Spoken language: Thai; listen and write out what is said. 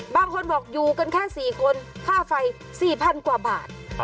บางคนบอกอยู่กันแค่สี่คนค่าฟัยสี่พันกว่าบาทอ่ะ